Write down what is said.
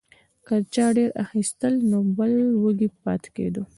که چا ډیر اخیستل نو بل به وږی پاتې کیده.